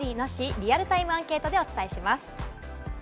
リアルタイムアンケートでお伝えします。